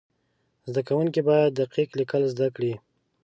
زده کوونکي باید دقیق لیکل زده کړي.